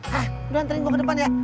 hah lu anterin gua ke depan ya